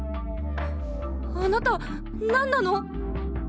あなた何なの！？